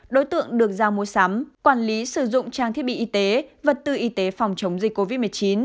đối tượng được giao mua sắm quản lý sử dụng trang thiết bị y tế vật tư y tế phòng chống dịch covid một mươi chín